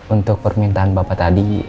untuk permintaan bapak tadi